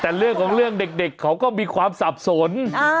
แต่เรื่องของเรื่องเด็กเขาก็มีความสับสน